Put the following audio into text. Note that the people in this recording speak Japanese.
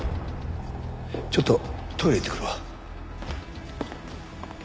ちょっとトイレ行ってくるわ。